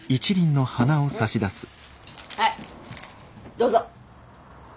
はいどうぞ。